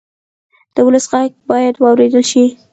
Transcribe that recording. د ولس غږ باید واورېدل شي